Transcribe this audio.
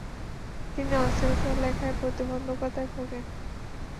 তিনি অস্থিরতা ও লেখার প্রতিবন্ধকতায় ভোগেন ।